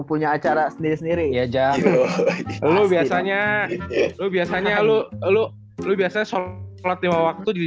punya acara sendiri sendiri ya jam lu biasanya lu biasanya lu lo lu biasanya sholat lima waktu di